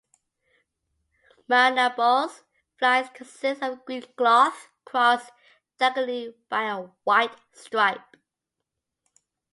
Maunabo's flag consists of a green cloth crossed diagonally by a white stripe.